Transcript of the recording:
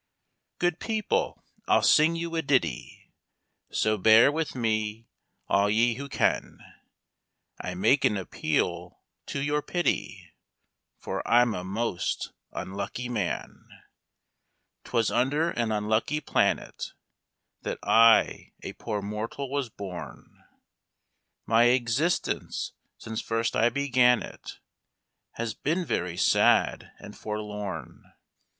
" Good people, I'll sing you a ditty, So bear with me all ye who can; I make an appeal to your pity, For I'm a most unlucky man. 'Twas under an unlucky planet That I a poor mortal was born; My existence since first I began it Has been very sad and forlorn.